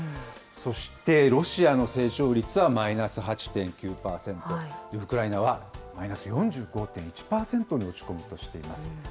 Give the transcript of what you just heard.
そしてロシアの成長率はマイナス８．９％、ウクライナはマイナス４５．１％に落ち込むとしています。